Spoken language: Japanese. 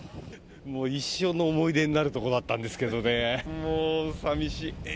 もう一生の思い出になるところだったんですけどね、もう、さみしいねえ。